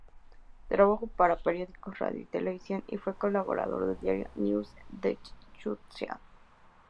Trabajó para periódicos, radio y televisión y fue colaborador del diario "Neues Deutschland".